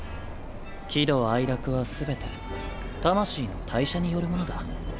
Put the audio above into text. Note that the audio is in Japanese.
喜怒哀楽は全て魂の代謝によるものだ。